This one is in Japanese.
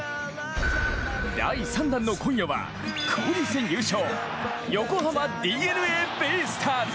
第３弾の今夜は交流戦優勝、横浜ＤｅＮＡベイスターズ。